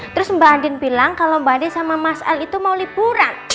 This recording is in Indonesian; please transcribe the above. terus mbak andien bilang kalau mbak andien sama mas al itu mau liburan